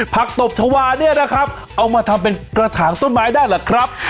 ตบชาวาเนี่ยนะครับเอามาทำเป็นกระถางต้นไม้ได้เหรอครับ